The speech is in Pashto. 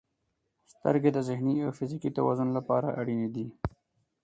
• سترګې د ذهني او فزیکي توازن لپاره اړینې دي.